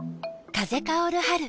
風薫る春。